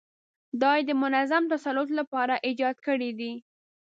دا یې د منظم تسلط لپاره ایجاد کړي دي.